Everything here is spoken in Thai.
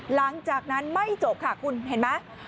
หลังจากนั้นไม่จบค่ะคุณเห็นไหม